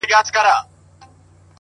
o كله توري سي؛